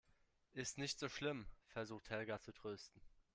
Ist nicht so schlimm, versucht Helga zu trösten.